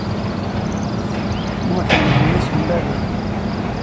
Muḥend d mmi-s n baba.